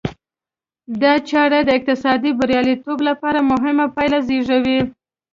دا چاره د اقتصادي بریالیتوب لپاره مهمې پایلې زېږوي.